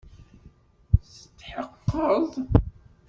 Tetḥeqqeḍ?